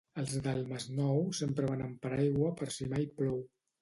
Els del Masnou sempre van amb paraigua per si mai plou.